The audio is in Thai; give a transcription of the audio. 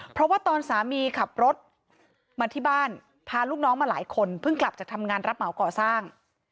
เพราะว่าตอนสามีขับรถมาที่บ้านพาลูกน้องมาหลายคนเพิ่งกลับจากทำงานรับเหมาก่อสร้าง